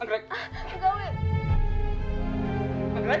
anggrek kamu anggrek